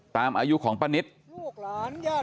ตามอายุของป้านิช